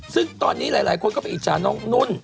ซึ่งตอนนี้หลายคนก็ไปอิจฉาน้องนุ่น